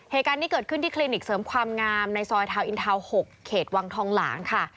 เหตุการณ์นี้เกิดขึ้นที่คลินิกเสริมความงามในซอยทาวนอินทาวน์๖เขตวังทองหลางค่ะ